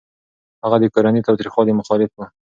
هغه د کورني تاوتريخوالي مخالف و.